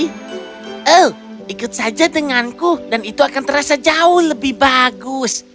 oh ikut saja denganku dan itu akan terasa jauh lebih bagus